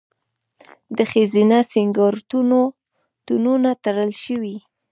د ښځینه سینګارتونونه تړل شوي؟